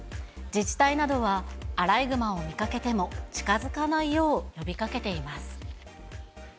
自治体などは、アライグマを見かけても近づかないよう呼びかけています。